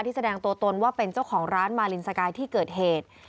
แสดงตัวตนว่าเป็นเจ้าของร้านมาลินสกายที่เกิดเหตุ